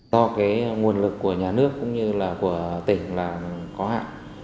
do cái nguồn lực của nhà nước cũng như là của tỉnh là có hạn